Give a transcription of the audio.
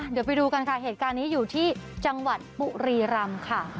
เดี๋ยวไปดูกันค่ะเหตุการณ์นี้อยู่ที่จังหวัดบุรีรำค่ะ